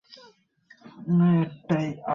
আমি জানি না, একশ বছর আগে, হয়তোবা।